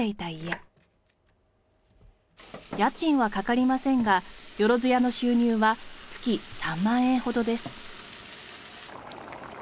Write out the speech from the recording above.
家賃はかかりませんがよろづやの収入は月３万円ほどです。